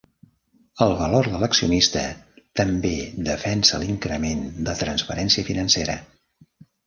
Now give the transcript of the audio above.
El valor de l'accionista també defensa l'increment de transparència financera.